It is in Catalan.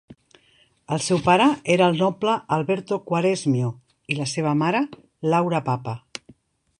El seu pare era el noble Alberto Quaresmio i la seva mare Laura Papa.